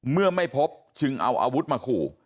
เมื่อไม่พบจึงเอาอาวุธมาขู่